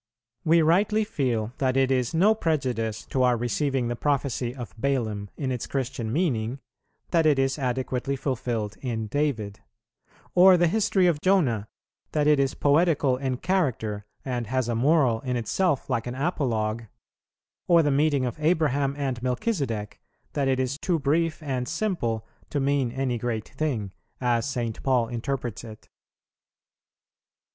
We rightly feel that it is no prejudice to our receiving the prophecy of Balaam in its Christian meaning, that it is adequately fulfilled in David; or the history of Jonah, that it is poetical in character and has a moral in itself like an apologue; or the meeting of Abraham and Melchizedek, that it is too brief and simple to mean any great thing, as St. Paul interprets it.